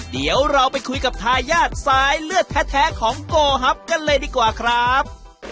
เดี๋ยวเราไปคุยกับทายาทสายเลือดแท้ของโกฮับกันเลยดีกว่าครับ